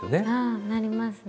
あなりますね。